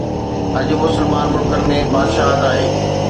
اڄ مسلمان ملڪن ۾ بادشاهت آهي.